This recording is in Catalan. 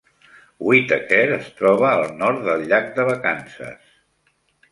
Whitacre es troba al nord del llac de vacances.